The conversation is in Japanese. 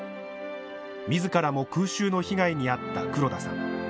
みずからも空襲の被害に遭った黒田さん。